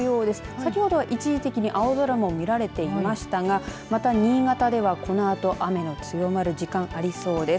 先ほどは一時的に青空も見られていましたがまた新潟では、このあと雨の強まる時間、ありそうです。